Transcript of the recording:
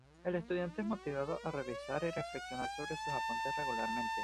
El estudiante es motivado a revisar y reflexionar sobre sus apuntes regularmente.